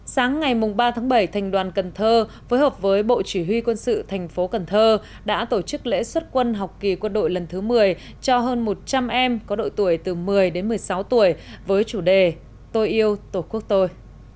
sáng ngày ba tháng bảy thành đoàn cần thơ phối hợp với bộ chỉ huy quân sự thành phố cần thơ đã tổ chức lễ xuất quân học kỳ quân đội lần thứ một mươi cho hơn một trăm linh em có đội tuổi từ một mươi đến một mươi sáu tuổi với chủ đề tôi yêu tổ quốc tôi